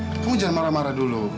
kamu jangan marah marah dulu